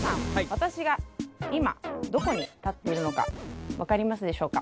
私が今どこに立っているのかわかりますでしょうか？